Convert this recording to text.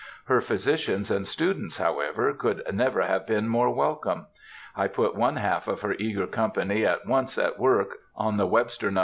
Her physicians and students, however, could never have been more welcome. I put one half her eager company at once at work on the Webster No.